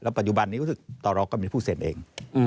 แล้วปัจจุบันนี้ก็คือต่อรอก็เป็นผู้เซ็นเอง